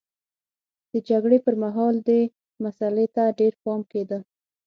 د جګړې پرمهال دې مسئلې ته ډېر پام کېده.